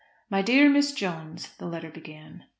"My dear Miss Jones," the letter began.